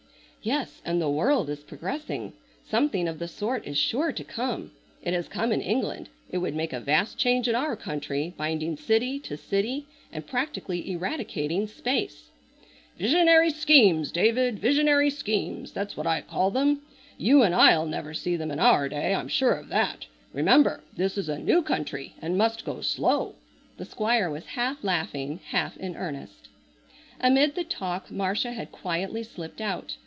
"Yes, and the world is progressing. Something of the sort is sure to come. It has come in England. It would make a vast change in our country, binding city to city and practically eradicating space." "Visionary schemes, David, visionary schemes, that's what I call them. You and I'll never see them in our day, I'm sure of that. Remember this is a new country and must go slow." The Squire was half laughing, half in earnest. Amid the talk Marcia had quietly slipped out.